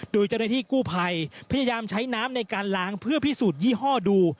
โดยเจ้าหน้าที่กู้ภัยพยายามใช้น้ำในการล้างเพื่อพิสูจนยี่ห้อดู